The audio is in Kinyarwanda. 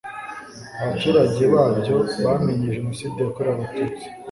abaturage babyo bamenye jenoside yakorewe abatuts